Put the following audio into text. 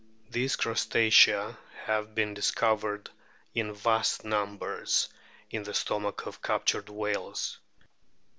These Crustacea have been discovered in vast numbers in the stomach of captured whales.